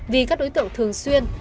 vì các đối tượng thường xuyên